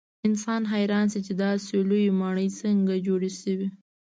انسان حیران شي چې داسې لویې ماڼۍ څنګه جوړې شوې.